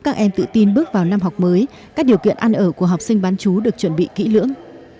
các em tự tin bước vào năm học mới các điều kiện ăn ở của học sinh bán chú được chuẩn bị kỹ lưỡng